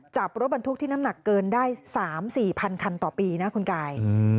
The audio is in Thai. จับรถบรรทุกที่น้ำหนักเกินได้๓๔พันคันต่อปีนะคุณกาย